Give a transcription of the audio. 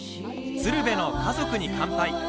「鶴瓶の家族に乾杯」